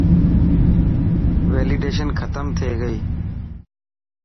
ويليڊيشن ختم ٿي گئي.